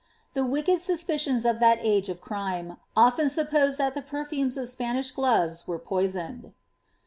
The wicked suspicions of that age of crime often supposed tlut tlie perfumes of Spanish gloves were poisoned.